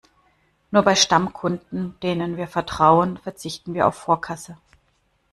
Nur bei Stammkunden, denen wir vertrauen, verzichten wir auf Vorkasse.